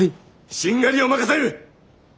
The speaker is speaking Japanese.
しんがりを任せる！